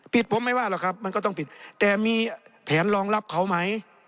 ผมไม่ว่าหรอกครับมันก็ต้องผิดแต่มีแผนรองรับเขาไหม